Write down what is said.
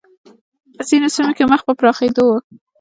په ځینو سیمو کې مخ په پراخېدو و